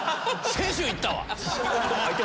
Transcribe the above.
先週行った。